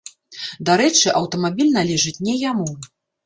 Дарэчы, аўтамабіль належыць не яму.